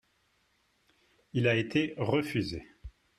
Il a été refusé.